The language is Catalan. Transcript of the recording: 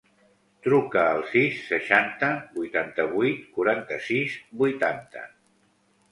Truca al sis, seixanta, vuitanta-vuit, quaranta-sis, vuitanta.